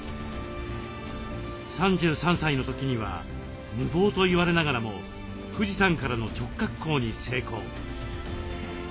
３３歳の時には無謀と言われながらも富士山からの直滑降に成功。